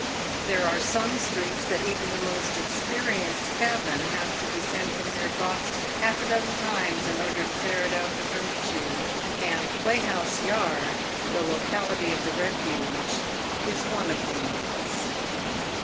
There are some streets that even the most experienced cabmen have to descend from their box half a dozen times, in order to ferret out the road to; and Playhouse yard — the locality of the refuge — is one of these.